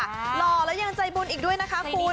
หล่อแล้วยังใจบุญอีกด้วยนะคะคุณ